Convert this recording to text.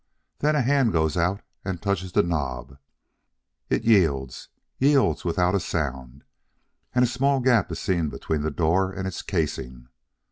Then a hand goes out and touches the knob. It yields; yields without a sound and a small gap is seen between the door and its casing.